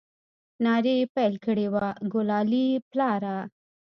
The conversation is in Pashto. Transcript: نارې يې پيل كړې وه د ګلالي پلاره!